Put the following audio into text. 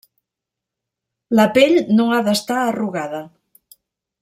La pell no ha d'estar arrugada.